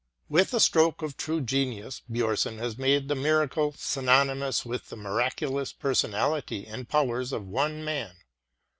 With a stroke of true genius, Bjomson has made the miracle synonymous with the miraculous person ality and powers of one man.